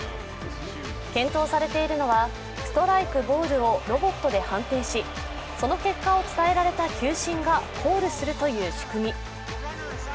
検討されてョのはストライク、ボールをロボットで判定しその結果を伝えられた球審がコールするという仕組み。